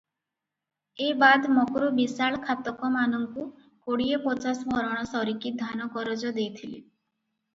ଏ ବାଦ ମକ୍ରୁ ବିଶାଳ ଖାତକମାନଙ୍କୁ କୋଡିଏ ପଚାଶ ଭରଣ ସରିକି ଧାନ କରଜ ଦେଇଥିଲେ ।